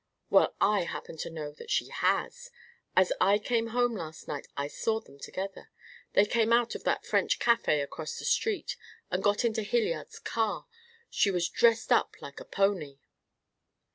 "Well, I happen to know that she has. As I came home last night I saw them together. They came out of that French cafe across the street, and got into Hilliard's car. She was dressed up like a pony."